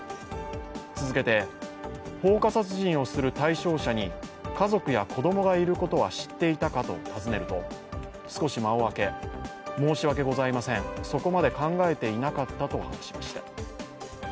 続けて、放火殺人をする対象者に家族や子供がいることは知っていたかと尋ねると、少し間を空け、申し訳ございません、そこまで考えていなかったと話しました。